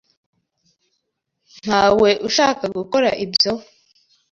Ntawe ushaka gukora ibyo.